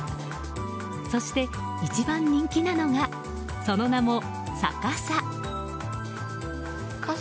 そして一番人気なのがその名もＳａ傘。